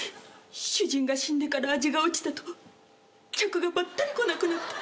主人が死んでから味が落ちたと客がばったり来なくなって。